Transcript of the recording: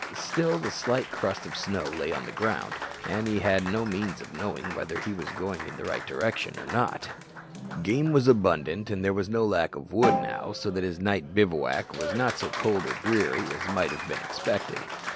Still the slight crust of snow lay on the ground, and he had no means of knowing whether he was going in the right direction or not. Game was abundant, and there was no lack of wood now, so that his night bivouac was not so cold or dreary as might have been expected.